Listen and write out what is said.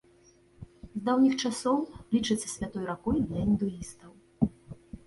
З даўніх часоў лічыцца святой ракой для індуістаў.